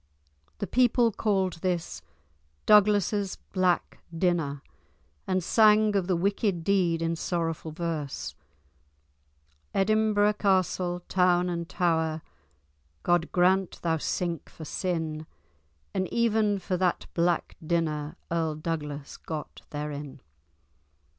The people called this "Douglas's black dinner," and sang of the wicked deed in sorrowful verse:— "Edinburgh Castle, town and tower God grant thou sink for sin! And even for that black dinner Earl Douglas got therein."